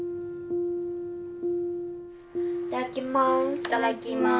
いただきます。